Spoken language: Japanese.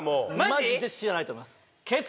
マジで知らないと思います